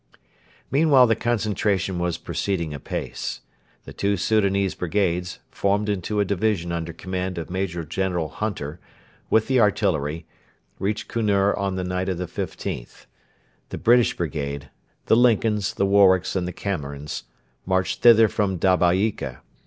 Meanwhile the concentration was proceeding apace. The two Soudanese brigades, formed into a division under command of Major General Hunter, with the artillery, reached Kunur on the night of the 15th. The British brigade the Lincolns, the Warwicks, and the Camerons marched thither from Dabeika.